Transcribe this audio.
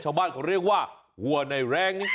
ชาวบ้านเขาเรียกว่าวัวในแรง